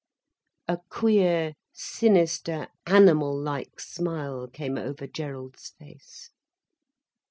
A queer, sinister, animal like smile came over Gerald's face.